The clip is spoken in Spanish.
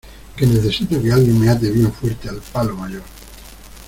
que necesito que alguien me ate bien fuerte al palo mayor